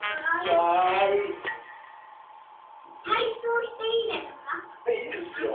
退出をしていいですか？